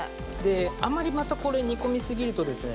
あんまりこれ煮込み過ぎるとですね